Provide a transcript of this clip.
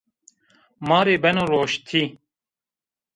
Ma rê beno roştî